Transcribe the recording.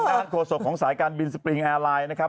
โฆษกของสายการบินสปริงแอร์ไลน์นะครับ